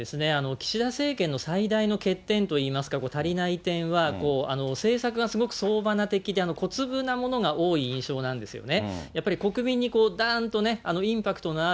岸田政権の最大の欠点と言いますか、足りない点は、政策がすごく総花的で小粒なものが多い印象なんですよね。